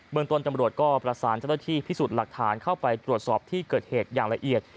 เมืองต้นตำรวจก็ประสานเจ้าหน้าที่พิสูจน์หลักฐานเข้าไปตรวจสอบที่เกิดเหตุอย่างละเอียด